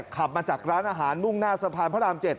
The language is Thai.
ขับมาจากร้านอาหารมุ่งหน้าสะพานพระราม๗